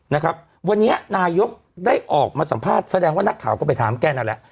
นะครับวันนี้นายกได้ออกมาสัมภาษณ์แสดงว่านักข่าวก็ไปถามแกนั่นแหละ